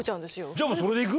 じゃあもうそれでいく？